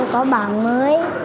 có bảng mới